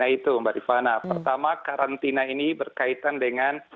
karantina itu mbak rimana pertama karantina ini berkaitan dengan